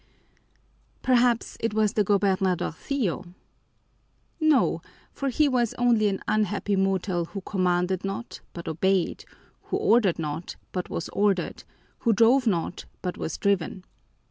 Perhaps it was the gobernadorcillo? No, for he was only an unhappy mortal who commanded not, but obeyed; who ordered not, but was ordered; who drove not, but was driven.